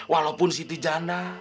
walaupun siti janda